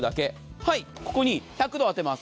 はい、ここに１００度当てます。